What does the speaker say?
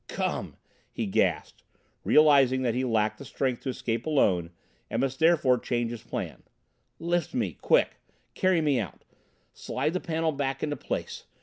"Come!" he gasped, realizing that he lacked the strength to escape alone and must therefore change his plan. "Lift me quick! Carry me out! Slide the panel back into place.